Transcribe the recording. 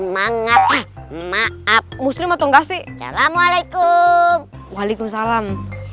mangga maaf muslim atau enggak sih waalaikumsalam